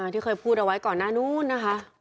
ที่เคยพูดเอาไว้ก่อนหน้านู้นนะคะ